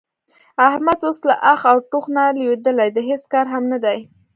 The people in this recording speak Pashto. احمد اوس له اخ او ټوخ نه لوېدلی د هېڅ کار هم نه دی.